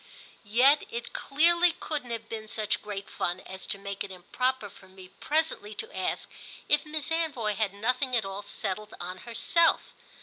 Yet it clearly couldn't have been such great fun as to make it improper for me presently to ask if Miss Anvoy had nothing at all settled on herself.